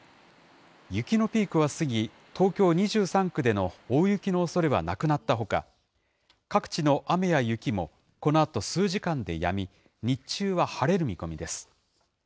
雪のピークは過ぎ、東京２３区での大雪のおそれはなくなったほか、各地の雨や雪もこのあと数時間でやみ、日中は晴れる見込みです。